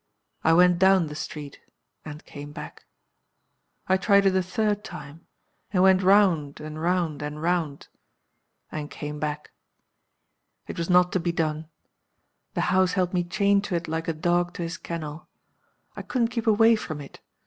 I went down the street and came back. I tried it a third time, and went round and round and round and came back. It was not to be done The house held me chained to it like a dog to his kennel. I couldn't keep away from it.